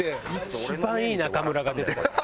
一番いい中村が出てたね。